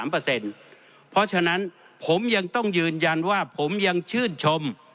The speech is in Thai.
เพราะฉะนั้นผมยังต้องยืนยันว่าผมยังชื่นชม